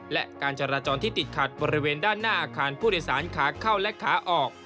และการจราจรที่ติดขัดบริเวณด้านหน้าอาคารผู้โดยสารขาเข้าและขาออก